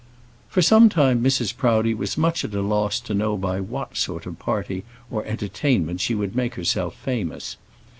For some time Mrs. Proudie was much at a loss to know by what sort of party or entertainment she would make herself famous.